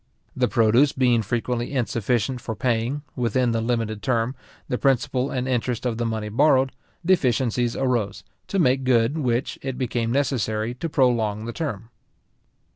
The produce being frequently insufficient for paying, within the limited term, the principal and interest of the money borrowed, deficiencies arose; to make good which, it became necessary to prolong the term.